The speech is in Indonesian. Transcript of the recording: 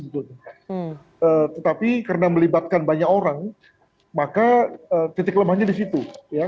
tetapi karena melibatkan banyak orang maka titik lemahnya di situ